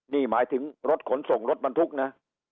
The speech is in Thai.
นี่หมายถึงรถขนส่งรถบรรทุกนะ